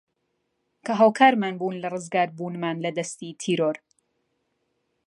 کە هاوکارمان بوون لە رزگاربوونمان لە دەستی تیرۆر